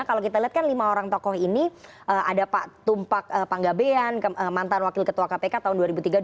kalau kita lihat kan lima orang tokoh ini ada pak tumpak panggabean mantan wakil ketua kpk tahun dua ribu tiga dua ribu dua